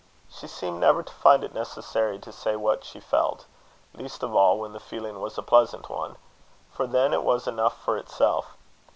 She seemed never to find it necessary to say what she felt; least of all when the feeling was a pleasant one; for then it was enough for itself.